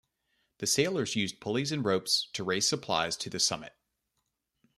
The sailors used pulleys and ropes to raise supplies to the summit.